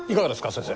先生。